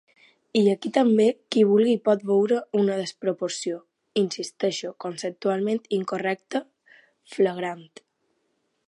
I aquí també qui vulgui hi pot veure una desproporció –insisteixo, conceptualment incorrecta– flagrant.